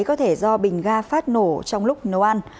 có thể do bình ga phát nổ trong lúc nấu ăn